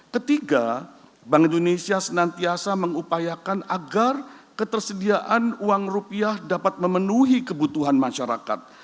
ketiga bank indonesia senantiasa mengupayakan agar ketersediaan uang rupiah dapat memenuhi kebutuhan masyarakat